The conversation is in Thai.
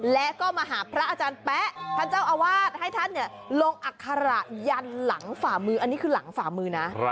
และก็มาหาพระอาจารย์แป๊ะท่านเจ้าอาวาสให้ท่านลงอัคระยันหลังฝ่ามืออันนี้คือหลังฝ่ามือนะ